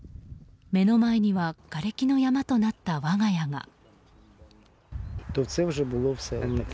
目の前にはがれきの山となった我が家が。